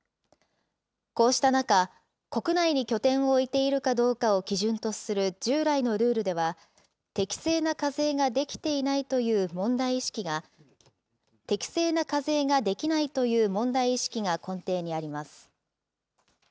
こうした中、国内に拠点を置いているかどうかを基準とする従来のルールでは、適正な課税ができていないという問題意識が、適正な課税ができないという問題意識が根底にあります。